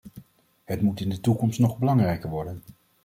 Het moet in de toekomst nog belangrijker worden.